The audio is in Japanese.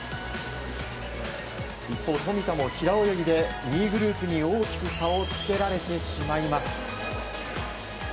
一方、富田も平泳ぎで２位グループに大きく差をつけられてしまいます。